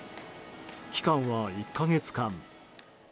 期間は１か月間。